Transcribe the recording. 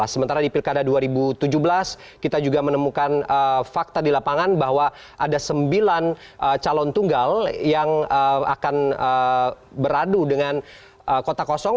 sementara di pilkada dua ribu tujuh belas kita juga menemukan fakta di lapangan bahwa ada sembilan calon tunggal yang akan beradu dengan kota kosong